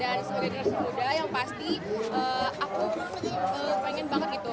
dan sebagai jurus muda yang pasti aku pun pengen banget gitu